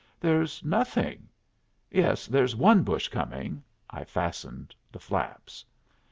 "There's nothing yes, there's one bush coming." I fastened the flaps.